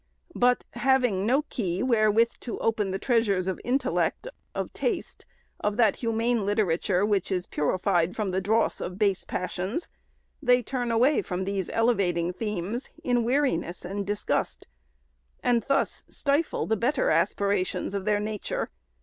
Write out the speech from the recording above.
But, having no key wherewith to open the treasures of intellect, of taste, of that humane literature which is purified from the dross of base passions, they turn away from these elevating themes in weariness and disgust, SECOND ANNUAL REPORT. 557 and thus stifle the better aspirations of their nature.